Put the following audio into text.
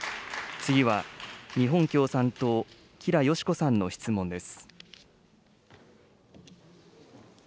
次は、日本共産党、吉良よし子さんの質問です。